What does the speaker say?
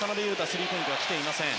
スリーポイントは来ていません。